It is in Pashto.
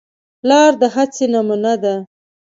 پلار د هڅې نمونه ده.